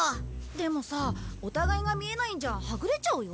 でもさお互いが見えないんじゃはぐれちゃうよ。